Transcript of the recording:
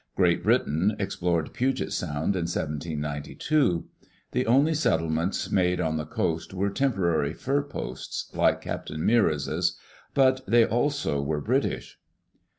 Great Britain explored Puget Sound in 1792. The only settlements made on the coast were temporary fur posts, like Captain Meares's, but they also were British.